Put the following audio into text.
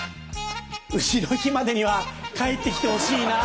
うしの日までには帰ってきてほしいな。